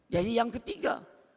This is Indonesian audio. jadi yang ketiga